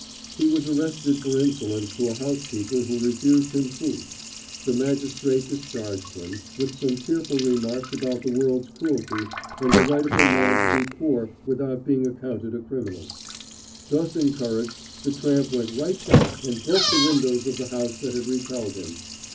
He was arrested for insolence to a housekeeper who refused him food. The magistrate discharged him, with some tearful remarks about the world's cruelty and the right of a man to be poor without being accounted a criminal. Thus encouraged, the tramp went right back and broke the windows of the house that had repelled him.